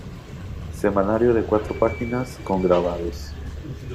Semanario de cuatro páginas, con grabados.